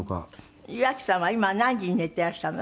「岩城さんは今は何時に寝てらっしゃるの？